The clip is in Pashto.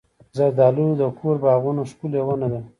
زردالو د کور باغونو ښکلې ونه ده.